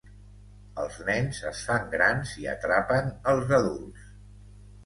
Els nens es fan grans i atrapen els adults